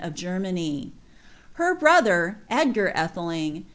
of Germany. Her broiler, fidgar Aihefing.